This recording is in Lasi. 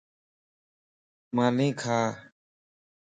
ماني کا